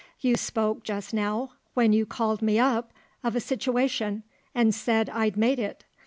"You spoke, just now, when you called me up, of a situation and said I'd made it.